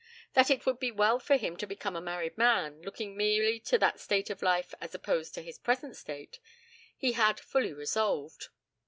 That it would be well for him to become a married man, looking merely to that state of life as opposed to his present state, he had fully resolved.